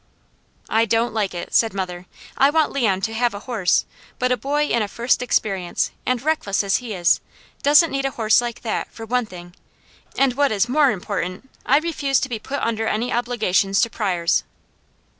"I don't like it," said mother. "I want Leon to have a horse, but a boy in a first experience, and reckless as he is, doesn't need a horse like that, for one thing, and what is more important, I refuse to be put under any obligations to Pryors."